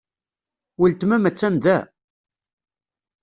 Weltma-m attan da?